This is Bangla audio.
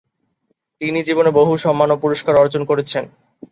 তিনি জীবনে বহু সম্মান এবং পুরস্কার অর্জন করেছেন।